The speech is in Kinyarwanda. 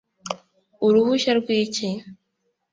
uruhushya rwiki?”